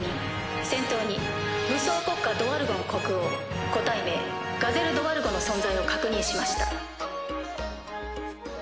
先頭に武装国家ドワルゴン国王個体名ガゼル・ドワルゴの存在を確認しました。